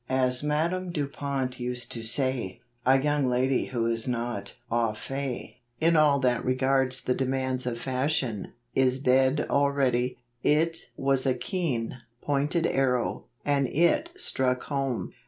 As Madame Dupont used to say, 'A young lady who is not aufait in all that regards the demands of fashion, is dead already.' " It was a keen, pointed arrow, and it struck home.